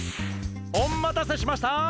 おまたせしました！